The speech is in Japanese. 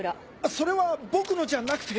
それは僕のじゃなくて。